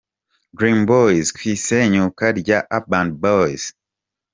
Dream Boys ku isenyuka rya Urban Boyz.